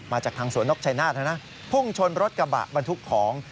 จากทางสวนนกชัยนาธนะพุ่งชนรถกระบะบรรทุกของ